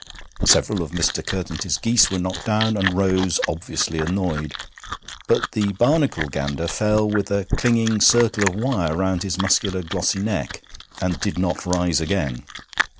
Several of Mr. Curtenty's geese were knocked down, and rose obviously annoyed; but the Barnacle gander fell with a clinging circle of wire round his muscular, glossy neck, and did not rise again.